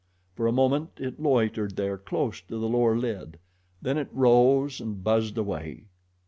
For a moment it loitered there close to the lower lid, then it rose and buzzed away.